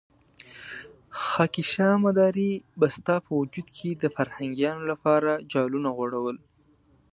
خاکيشاه مداري به ستا په وجود کې د فرهنګيانو لپاره جالونه غوړول.